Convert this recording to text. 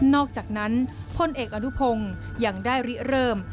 อกจากนั้นพลเอกอนุพงศ์ยังได้ริเริ่ม